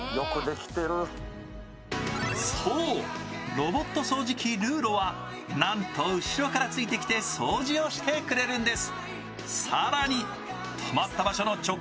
ロボット掃除機ルーロはなんと後ろからついてきて掃除をしてくれるんです。